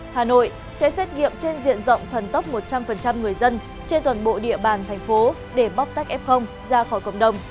hà nội sẽ xét nghiệm trên diện rộng thần tốc một trăm linh người dân trên toàn bộ địa bàn thành phố để bóc tách f ra khỏi cộng đồng